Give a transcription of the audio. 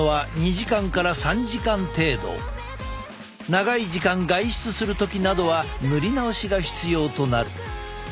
長い時間外出する時などは塗り直しが必要となる。